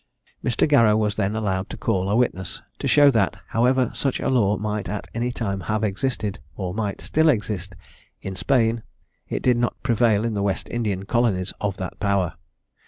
Mr. Garrow was then allowed to call a witness, to show that, however such a law might at any time have existed, or might still exist, in Spain, it did not prevail in the West Indian colonies of that power.